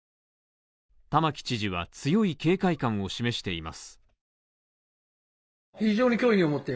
玉城知事は強い警戒感を示しています。